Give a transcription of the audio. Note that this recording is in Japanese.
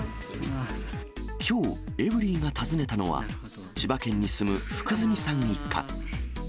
きょう、エブリィが訪ねたのは、千葉県に住む福住さん一家。